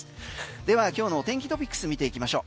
では今日のお天気トピックス見ていきましょう。